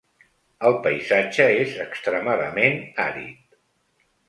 El paisatge és extremadament àrid.